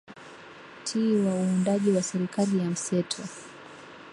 ti wa uundaji wa serikali ya mseto